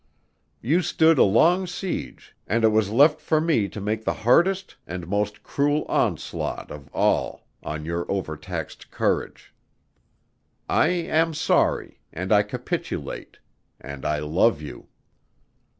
You stood a long siege and it was left for me to make the hardest and most cruel onslaught of all on your overtaxed courage. I am sorry and I capitulate and I love you."